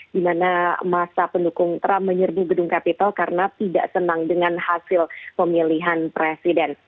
dimana masa pendukung trump menyermu gedung kapital karena tidak senang dengan hasil pemilihan presiden